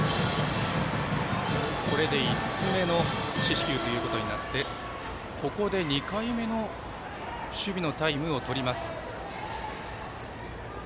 これで５つ目の四死球ということになってここで２回目の守備のタイムをとります。